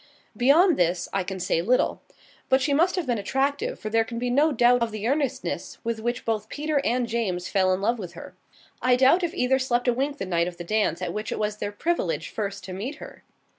Beyond this, I can say little. But she must have been attractive, for there can be no doubt of the earnestness with which both Peter and James fell in love with her. I doubt if either slept a wink the night of the dance at which it was their privilege first to meet her.